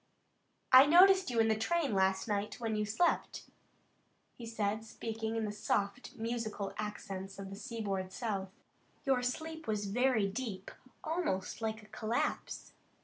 "I noticed you in the train last night when you slept," he said, speaking in the soft, musical accents of the seaboard South. "Your sleep was very deep, almost like collapse.